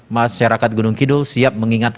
masyarakat gunung kidul siap mengingat